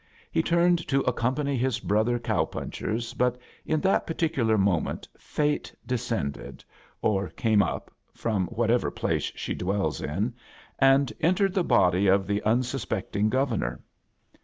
He ttimed to accompany his brother cow ponchers, birt in that par^ ticular moment Fate descended, or came up, from whatever [dace she dwells in, and entered the body of the ohsospectfaig Governor.